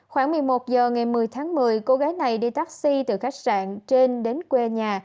khoảng một mươi một h ngày một mươi tháng một mươi cô gái này đi taxi từ khách sạn trên đến quê nhà